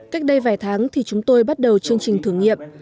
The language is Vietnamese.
cách đây vài tháng thì chúng tôi bắt đầu chương trình thử nghiệm